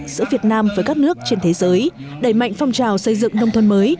giữa việt nam với các nước trên thế giới đẩy mạnh phong trào xây dựng nông thôn mới